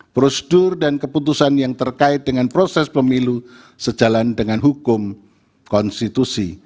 prosedur dan keputusan yang terkait dengan proses pemilu sejalan dengan hukum konstitusi